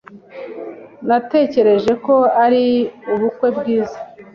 Natekereje ko ari ubukwe bwiza.